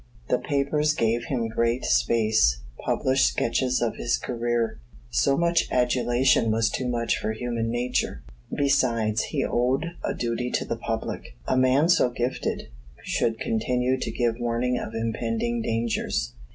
The papers gave him great space published sketches of his career. So much adulation was too much for human nature; besides, he owed a duty to the public. A man so gifted should continue to give warning of impending dangers.